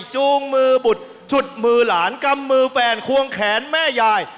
จูงมือบุตรฉุดมือหลานกำมือแฟนควงแขนแม่ยาย